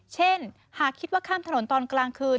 เช่นหากคิดว่าข้ามถนนตอนกลางคืน